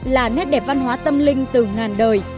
là nét đẹp văn hóa tâm linh từ ngàn đời